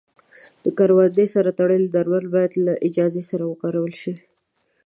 د کروندې سره تړلي درمل باید له اجازې سره وکارول شي.